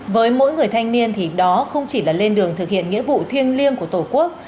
với mỗi người thanh niên thì đó không chỉ là lên đường thực hiện nghĩa vụ thiêng liêng của tổ quốc